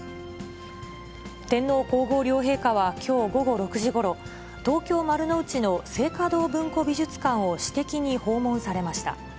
天皇皇后両陛下はきょう午後６時ごろ、東京・丸の内の静嘉堂文庫美術館を私的に訪問されました。